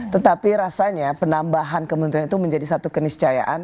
tetapi rasanya penambahan kementerian itu menjadi satu keniscayaan